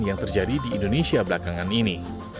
yang terjadi di indonesia belakangan ini